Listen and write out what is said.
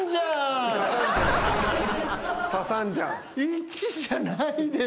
１じゃないでしょ